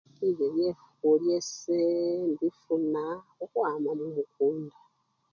Bilyo byekhulya ese imbifuna khukhwama mukunda.